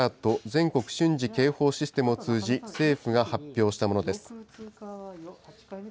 ・全国瞬時警報システムを通じ、政府が発表したものです。